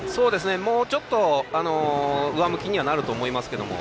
もうちょっと上向きにはなると思いますけれども。